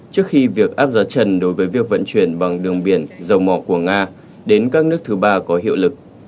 trước khi việc áp giá trần đối với việc vận chuyển bằng đường biển dầu mỏ của nga đến các nước thứ ba có hiệu lực